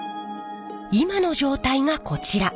今の状態がこちら。